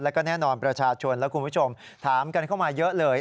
แล้วก็แน่นอนประชาชนและคุณผู้ชมถามกันเข้ามาเยอะเลย